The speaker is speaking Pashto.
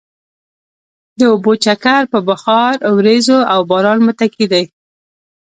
د اوبو چکر په بخار، ورېځو او باران متکي دی.